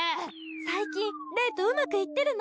最近レイとうまくいってるの？